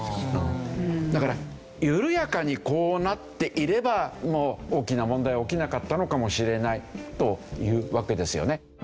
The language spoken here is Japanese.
だから緩やかにこうなっていれば大きな問題は起きなかったのかもしれないというわけですよね。